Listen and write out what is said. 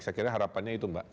saya kira harapannya itu mbak